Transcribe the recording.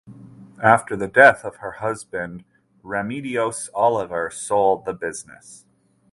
After death of her husband Remedios Oliver sold the business.